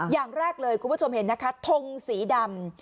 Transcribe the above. อย่างแรกเลยคุณผู้ชมเห็นนะคะทงสีดำ